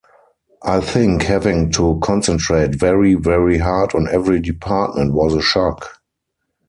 I think having to concentrate very, very hard on every department was a shock.